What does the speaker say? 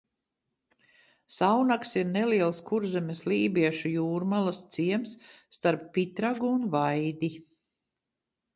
Saunags ir neliels Kurzemes lībiešu jūrmalas ciems starp Pitragu un Vaidi.